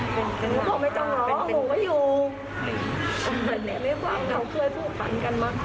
เขาบอกไม่ต้องร้องหนูก็อยู่ไม่ฟังเราเพื่อผู้ฝันกันมาก